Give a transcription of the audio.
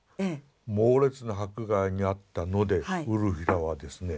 猛烈な迫害に遭ったのでウルフィラはですね